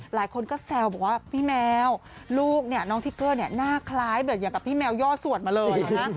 หลายคนก็แซวบอกว่าพี่แมวลูกน้องทิเกอร์หน้าคล้ายเหมือนกับพี่แมวย่อสวดมาเลย